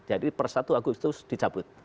jadi per satu agustus dicabut